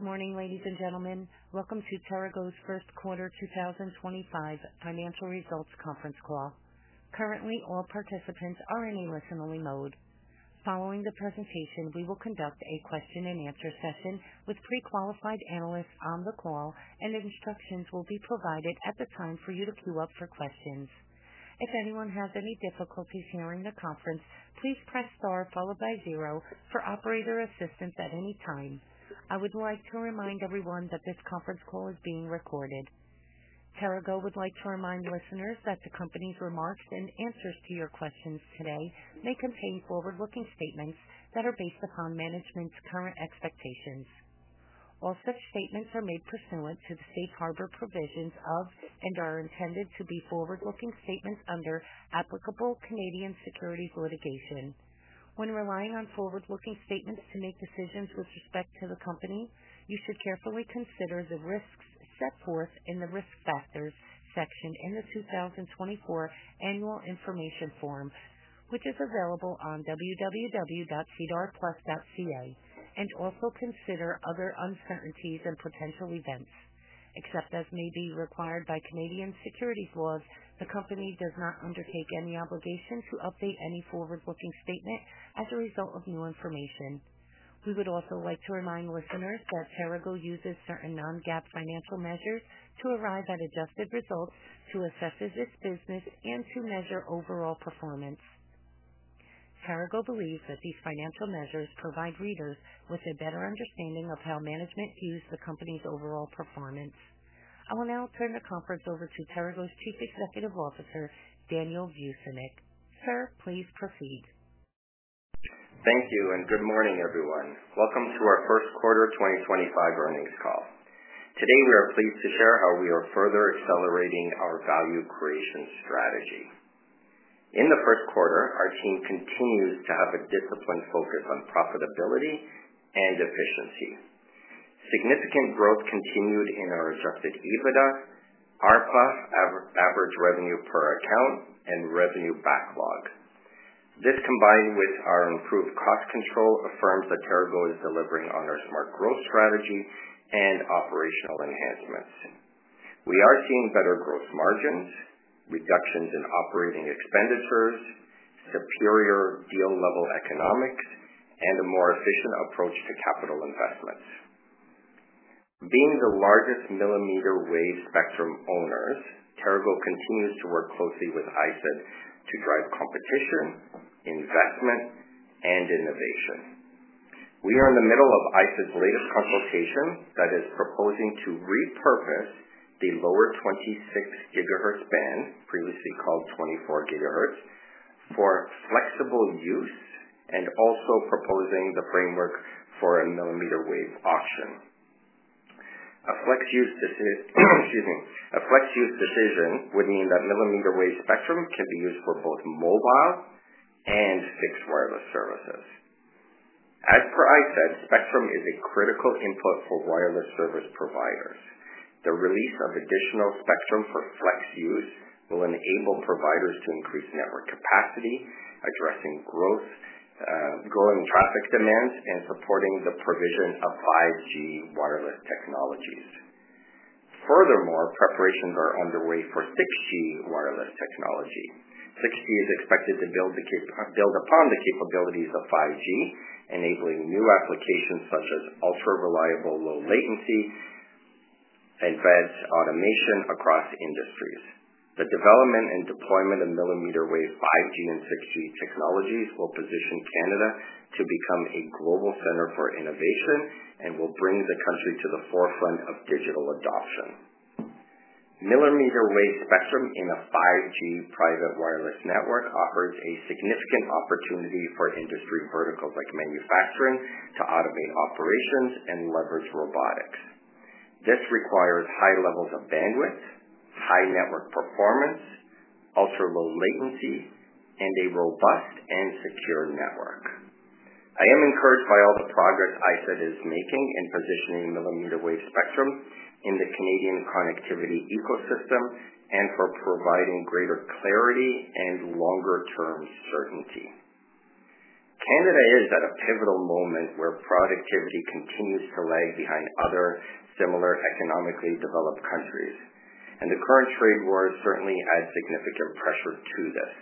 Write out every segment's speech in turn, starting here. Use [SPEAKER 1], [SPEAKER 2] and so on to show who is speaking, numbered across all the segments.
[SPEAKER 1] Good morning, ladies and gentlemen. Welcome to Terago's First Quarter 2025 Financial Results Conference Call. Currently, all participants are in a listen-only mode. Following the presentation, we will conduct a question-and-answer session with pre-qualified analysts on the call, and instructions will be provided at the time for you to queue up for questions. If anyone has any difficulties hearing the conference, please press star followed by zero for operator assistance at any time. I would like to remind everyone that this conference call is being recorded. Terago would like to remind listeners that the company's remarks and answers to your questions today may contain forward-looking statements that are based upon management's current expectations. All such statements are made pursuant to the safe harbor provisions of and are intended to be forward-looking statements under applicable Canadian Securities Litigation. When relying on forward-looking statements to make decisions with respect to the company, you should carefully consider the risks set forth in the risk factors section in the 2024 Annual Information Form, which is available on www.sedarplus.ca, and also consider other uncertainties and potential events. Except as may be required by Canadian Securities Laws, the company does not undertake any obligation to update any forward-looking statement as a result of new information. We would also like to remind listeners that Terago uses certain non-GAAP financial measures to arrive at adjusted results, to assess its business, and to measure overall performance. Terago believes that these financial measures provide readers with a better understanding of how management views the company's overall performance. I will now turn the conference over to Terago's Chief Executive Officer, Daniel Vucinic. Sir, please proceed.
[SPEAKER 2] Thank you and good morning, everyone. Welcome to our first quarter 2025 earnings call. Today, we are pleased to share how we are further accelerating our value creation strategy. In the first quarter, our team continues to have a disciplined focus on profitability and efficiency. Significant growth continued in our Adjusted EBITDA, ARPA, average revenue per account, and revenue backlog. This, combined with our improved cost control, affirms that Terago is delivering on our smart growth strategy and operational enhancements. We are seeing better gross margins, reductions in operating expenditures, superior deal-level economics, and a more efficient approach to capital investments. Being the largest millimeter wave spectrum owners, Terago continues to work closely with ISED to drive competition, investment, and innovation. We are in the middle of ISED's latest consultation that is proposing to repurpose the lower 26 GHz band, previously called 24 GHz, for flexible use and also proposing the framework for a millimeter wave auction. A flex use decision would mean that millimeter wave spectrum can be used for both mobile and fixed wireless services. As per ISED, spectrum is a critical input for wireless service providers. The release of additional spectrum for flex use will enable providers to increase network capacity, addressing growing traffic demands and supporting the provision of 5G wireless technologies. Furthermore, preparations are underway for 6G wireless technology. 6G is expected to build upon the capabilities of 5G, enabling new applications such as ultra-reliable low-latency and advanced automation across industries. The development and deployment of millimeter wave 5G and 6G technologies will position Canada to become a global center for innovation and will bring the country to the forefront of digital adoption. Millimeter wave spectrum in a 5G private wireless network offers a significant opportunity for industry verticals like manufacturing to automate operations and leverage robotics. This requires high levels of bandwidth, high network performance, ultra-low latency, and a robust and secure network. I am encouraged by all the progress ISED is making in positioning millimeter wave spectrum in the Canadian connectivity ecosystem and for providing greater clarity and longer-term certainty. Canada is at a pivotal moment where productivity continues to lag behind other similar economically developed countries, and the current trade war certainly adds significant pressure to this.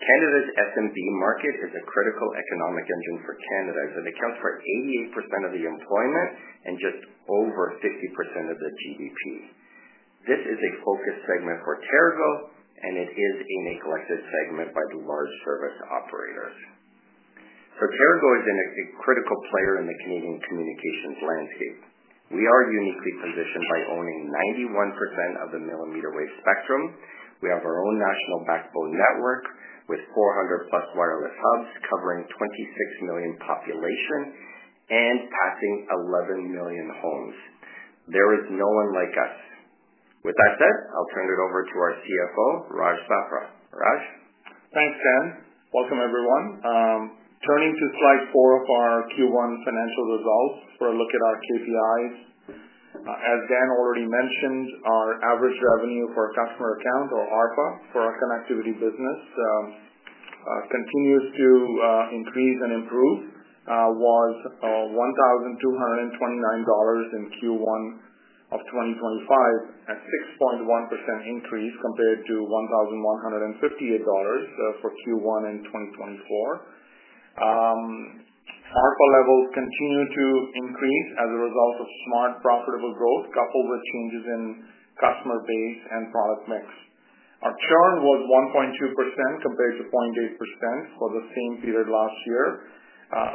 [SPEAKER 2] Canada's SMB market is a critical economic engine for Canada as it accounts for 88% of the employment and just over 50% of the GDP. This is a focus segment for Terago, and it is a neglected segment by the large service operators. Terago is a critical player in the Canadian communications landscape. We are uniquely positioned by owning 91% of the millimeter wave spectrum. We have our own national backbone network with 400+ wireless hubs covering 26 million population and passing 11 million homes. There is no one like us. With that said, I'll turn it over to our CFO, Raj Sapra. Raj?
[SPEAKER 3] Thanks, Dan. Welcome, everyone. Turning to slide four of our Q1 financial results for a look at our KPIs. As Dan already mentioned, our average revenue for customer account, or ARPA, for our connectivity business continues to increase and improve. It was CAD 1,229 in Q1 of 2025, a 6.1% increase compared to CAD 1,158 for Q1 in 2024. ARPA levels continue to increase as a result of smart profitable growth coupled with changes in customer base and product mix. Our churn was 1.2% compared to 0.8% for the same period last year,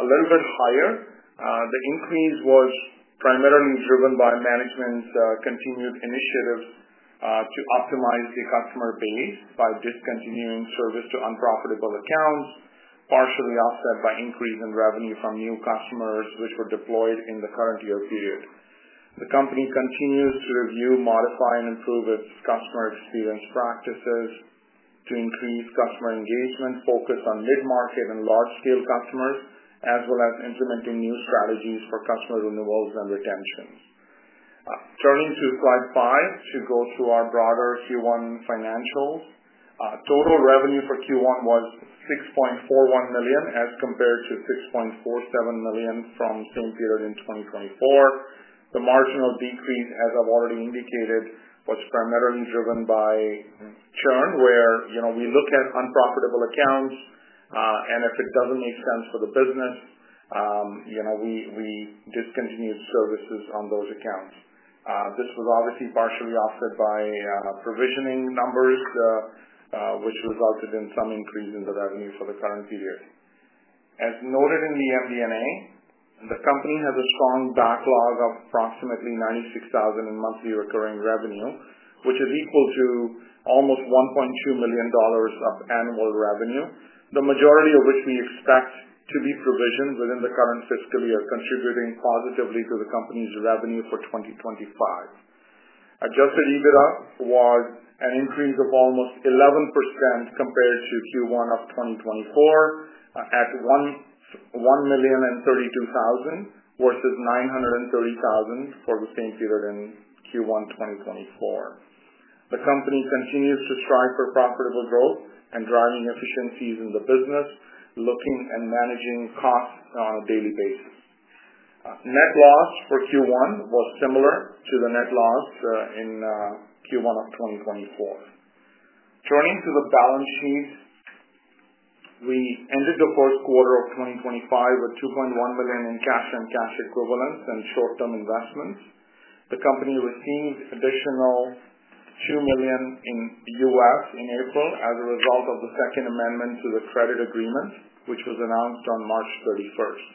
[SPEAKER 3] a little bit higher. The increase was primarily driven by management's continued initiatives to optimize the customer base by discontinuing service to unprofitable accounts, partially offset by increase in revenue from new customers which were deployed in the current year period. The company continues to review, modify, and improve its customer experience practices to increase customer engagement, focus on mid-market and large-scale customers, as well as implementing new strategies for customer renewals and retention. Turning to slide five to go through our broader Q1 financials, total revenue for Q1 was 6.41 million as compared to 6.47 million from the same period in 2024. The marginal decrease, as I've already indicated, was primarily driven by churn, where we look at unprofitable accounts, and if it doesn't make sense for the business, we discontinue services on those accounts. This was obviously partially offset by provisioning numbers, which resulted in some increase in the revenue for the current period. As noted in the MD&A, the company has a strong backlog of approximately 96,000 in monthly recurring revenue, which is equal to almost 1.2 million dollars of annual revenue, the majority of which we expect to be provisioned within the current fiscal year, contributing positively to the company's revenue for 2025. Adjusted EBITDA was an increase of almost 11% compared to Q1 of 2024 at 1,032,000 versus 930,000 for the same period in Q1 2024. The company continues to strive for profitable growth and driving efficiencies in the business, looking and managing costs on a daily basis. Net loss for Q1 was similar to the net loss in Q1 of 2024. Turning to the balance sheet, we ended the fourth quarter of 2025 with 2.1 million in cash and cash equivalents and short-term investments. The company received additional $2 million in US dollars in April as a result of the Second Amendment to the Credit Agreement, which was announced on March 31st.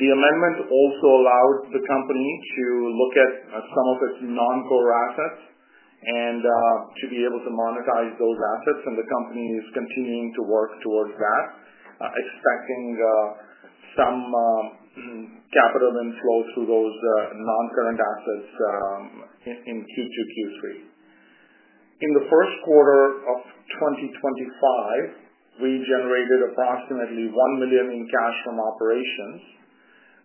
[SPEAKER 3] The amendment also allowed the company to look at some of its non-core assets and to be able to monetize those assets, and the company is continuing to work towards that, expecting some capital inflow through those non-current assets in Q2, Q3. In the first quarter of 2025, we generated approximately 1 million in cash from operations,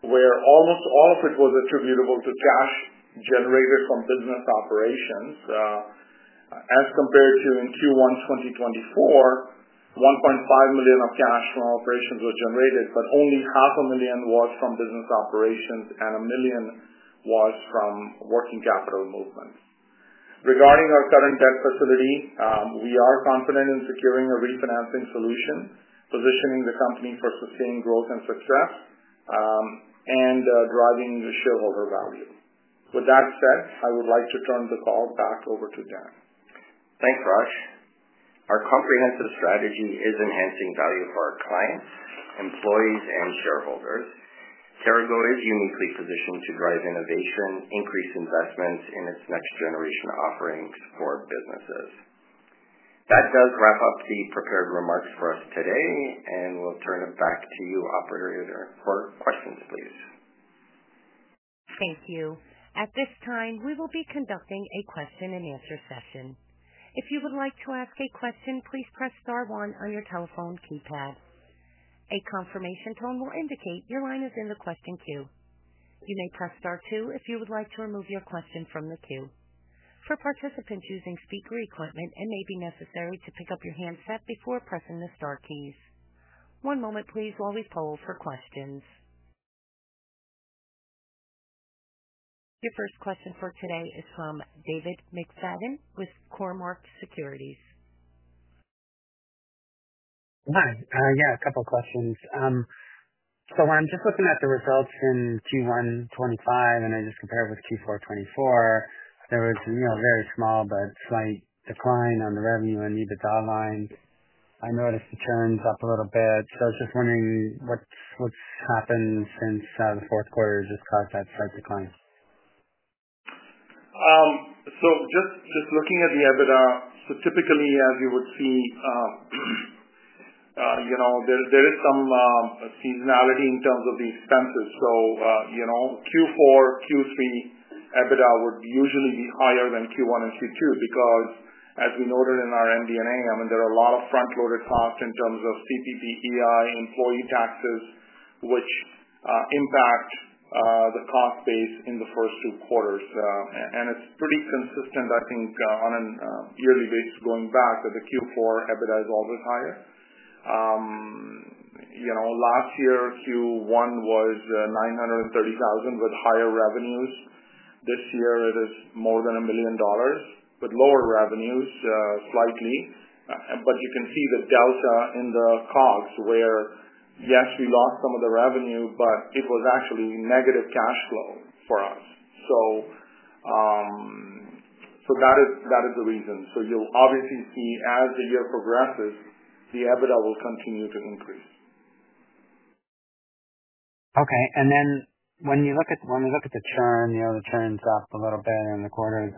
[SPEAKER 3] where almost all of it was attributable to cash generated from business operations. As compared to in Q1 2024, 1.5 million of cash from operations was generated, but only CAD 500,000 was from business operations and 1 million was from working capital movement. Regarding our current debt facility, we are confident in securing a refinancing solution, positioning the company for sustained growth and success, and driving the shareholder value. With that said, I would like to turn the call back over to Dan.
[SPEAKER 2] Thanks, Raj. Our comprehensive strategy is enhancing value for our clients, employees, and shareholders. Terago is uniquely positioned to drive innovation, increase investments in its next-generation offerings for businesses. That does wrap up the prepared remarks for us today, and we will turn it back to you, Operator, for questions, please.
[SPEAKER 1] Thank you. At this time, we will be conducting a question-and-answer session. If you would like to ask a question, please press star one on your telephone keypad. A confirmation tone will indicate your line is in the question queue. You may press star two if you would like to remove your question from the queue. For participants using speaker equipment, it may be necessary to pick up your handset before pressing the star keys. One moment, please, while we poll for questions. Your first question for today is from David McFadden with Cormark Securities.
[SPEAKER 4] Hi. Yeah, a couple of questions. So when I'm just looking at the results in Q1 2025 and I just compare it with Q4 2024, there was a very small but slight decline on the revenue and EBITDA line. I noticed the churn's up a little bit. So I was just wondering what's happened since the fourth quarter has just caused that slight decline?
[SPEAKER 3] Just looking at the EBITDA, typically, as you would see, there is some seasonality in terms of the expenses. Q4, Q3 EBITDA would usually be higher than Q1 and Q2 because, as we noted in our MD&A, I mean, there are a lot of front-loaded costs in terms of CPP, EI, employee taxes, which impact the cost base in the first two quarters. It is pretty consistent, I think, on a yearly basis going back that the Q4 EBITDA is always higher. Last year, Q1 was 930,000 with higher revenues. This year, it is more than 1 million dollars with slightly lower revenues. You can see the delta in the COGS, where, yes, we lost some of the revenue, but it was actually negative cash flow for us. That is the reason. You'll obviously see, as the year progresses, the EBITDA will continue to increase.
[SPEAKER 4] Okay. When you look at the churn, the churn's up a little bit in the quarter. Is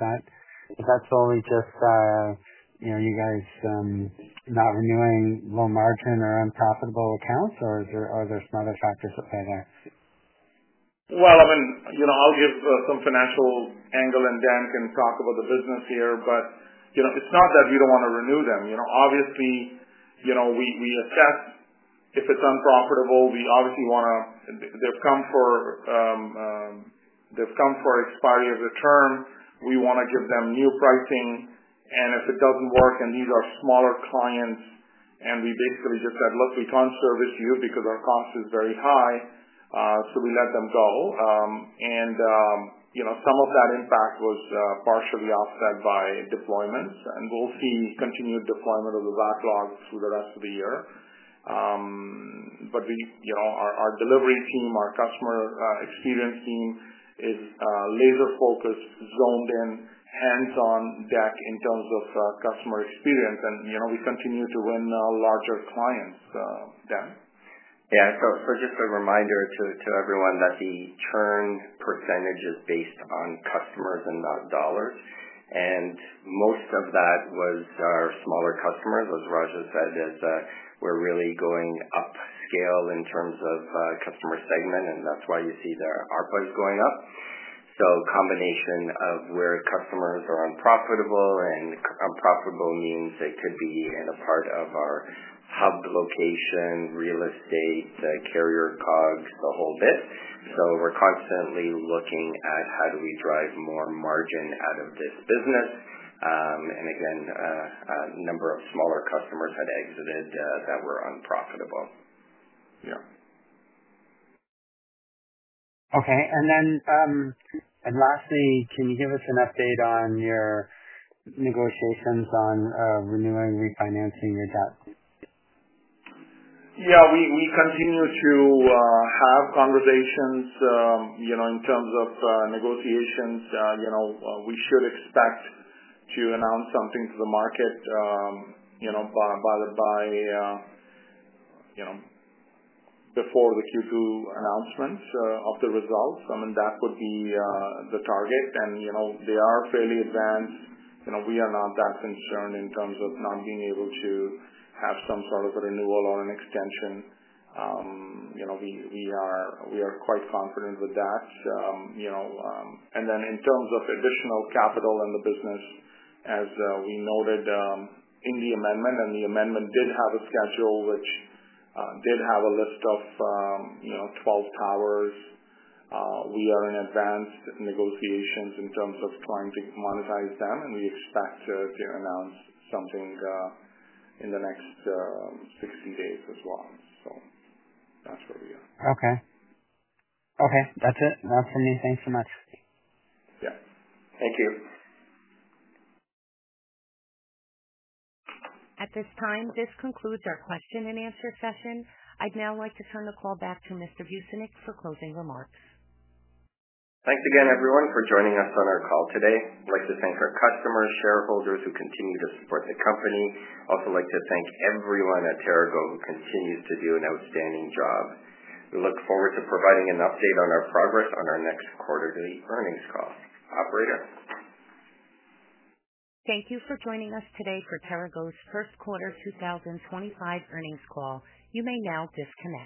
[SPEAKER 4] that solely just you guys not renewing low-margin or unprofitable accounts, or are there some other factors at play there?
[SPEAKER 3] I mean, I'll give some financial angle, and Dan can talk about the business here, but it's not that we don't want to renew them. Obviously, we assess if it's unprofitable. We obviously want to—they've come for expiry of the term. We want to give them new pricing. If it doesn't work and these are smaller clients, we basically just said, "Look, we can't service you because our cost is very high," so we let them go. Some of that impact was partially offset by deployments, and we'll see continued deployment of the backlog through the rest of the year. Our delivery team, our customer experience team, is laser-focused, zoned in, hands-on deck in terms of customer experience, and we continue to win larger clients then. Dan.
[SPEAKER 2] Yeah. Just a reminder to everyone that the churn percentage is based on customers and not dollars. Most of that was our smaller customers, as Raj has said, as we're really going upscale in terms of customer segment, and that's why you see the ARPAs going up. A combination of where customers are unprofitable, and unprofitable means they could be in a part of our hub location, real estate, carrier COGS, the whole bit. We're constantly looking at how do we drive more margin out of this business. A number of smaller customers had exited that were unprofitable.
[SPEAKER 3] Yeah.
[SPEAKER 4] Okay. Lastly, can you give us an update on your negotiations on renewing, refinancing your debt?
[SPEAKER 3] Yeah. We continue to have conversations in terms of negotiations. We should expect to announce something to the market by before the Q2 announcement of the results. I mean, that would be the target. They are fairly advanced. We are not that concerned in terms of not being able to have some sort of a renewal or an extension. We are quite confident with that. In terms of additional capital in the business, as we noted in the amendment, and the amendment did have a schedule which did have a list of 12 towers. We are in advanced negotiations in terms of trying to monetize them, and we expect to announce something in the next 60 days as well. That is where we are.
[SPEAKER 4] Okay. Okay. That's it. That's from me. Thanks so much.
[SPEAKER 3] Yeah. Thank you.
[SPEAKER 1] At this time, this concludes our question-and-answer session. I'd now like to turn the call back to Mr. Vucinic for closing remarks.
[SPEAKER 2] Thanks again, everyone, for joining us on our call today. I'd like to thank our customers, shareholders who continue to support the company. I'd also like to thank everyone at Terago who continues to do an outstanding job. We look forward to providing an update on our progress on our next quarterly earnings call. Operator.
[SPEAKER 1] Thank you for joining us today for Terago's First Quarter 2025 earnings call. You may now disconnect.